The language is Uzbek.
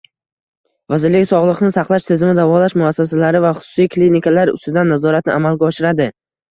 Vazirlik sog‘liqni saqlash tizimi davolash muassasalari va xususiy klinikalar ustidan nazoratni amalga oshiradi.